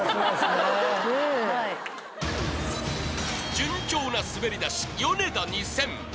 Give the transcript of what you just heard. ［順調な滑り出しヨネダ２０００。